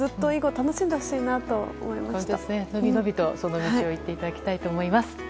伸び伸びとその道を行っていただきたいと思います。